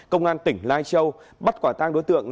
công an tỉnh lai châu bắt quả tang đối tượng